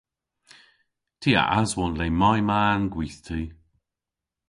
Ty a aswon le may ma'n gwithti.